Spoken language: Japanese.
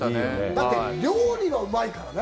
だって、料理がうまいからね。